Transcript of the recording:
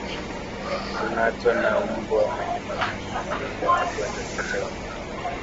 Kungatwa na mbwa mwenye maambukizi huleta ugonjwa wa kichaa cha mbwa